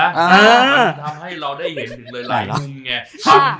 มันทำให้เราได้เห็นหนึ่งเลยหลายหนึ่งไง